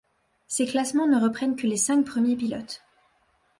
Ces classements ne reprennent que les cinq premiers pilotes.